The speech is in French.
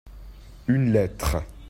une lettre.